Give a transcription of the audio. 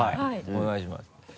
お願いします。